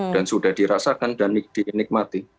dan sudah dirasakan dan dinikmati